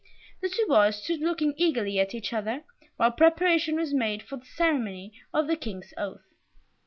The two boys stood looking eagerly at each other, while preparation was made for the ceremony of the King's oath.